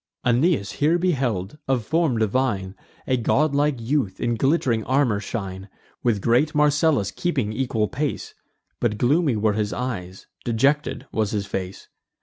Aeneas here beheld, of form divine, A godlike youth in glitt'ring armour shine, With great Marcellus keeping equal pace; But gloomy were his eyes, dejected was his face.